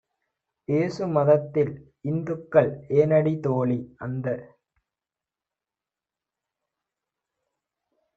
ஏசு மதத்தினில் இந்துக்கள் ஏனடி? தோழி - அந்த